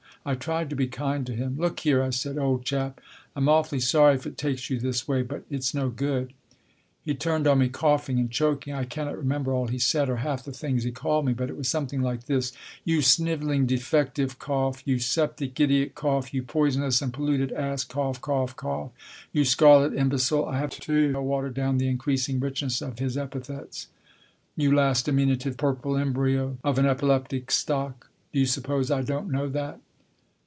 I tried to be kind to him. " Look here," I said, " old chap. I'm awfully sorry if it takes you this way. But it's no good." He turned on me coughing and choking. I cannot remember all he said or half the things he called me, but it was something like this :" You snivelling defective." " You septic idiot." " You poisonous and polluted ass." (Cough, cough, cough). " You scarlet imbecile." (I have to water down the increasing richness of his epithets). " You last diminutive purple embryo of an epileptic stock, do you suppose I don't know that?